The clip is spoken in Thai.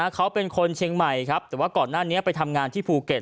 เขาเป็นคนเชียงใหม่ครับแต่ว่าก่อนหน้านี้ไปทำงานที่ภูเก็ต